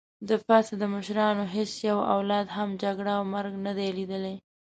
د فتح د مشرانو هیڅ یوه اولاد هم جګړه او مرګ نه دی لیدلی.